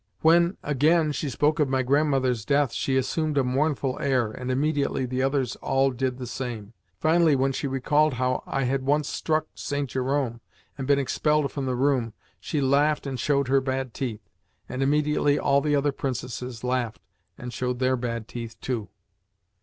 When, again, she spoke of my grandmother's death, she assumed a MOURNFUL air, and immediately the others all did the same. Finally, when she recalled how I had once struck St. Jerome and been expelled from the room, she laughed and showed her bad teeth, and immediately all the other princesses laughed and showed their bad teeth too.